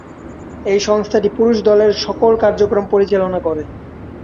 এই সংস্থাটি পুরুষ দলের সকল কার্যক্রম পরিচালনা করে।